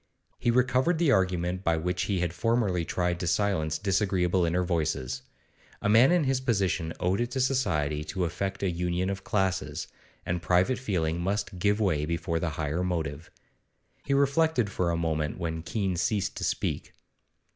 He recovered the argument by which he had formerly tried to silence disagreeable inner voices; a man in his position owed it to society to effect a union of classes, and private feeling must give way before the higher motive. He reflected for a moment when Keene ceased to speak.